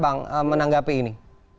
bang menanggapi ini